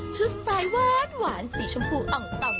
ชุดสายวัดหวานสีชมพูอ่อง